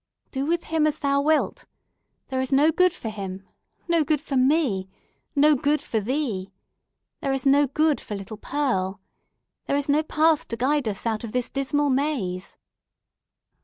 Do with him as thou wilt! There is no good for him, no good for me, no good for thee. There is no good for little Pearl. There is no path to guide us out of this dismal maze."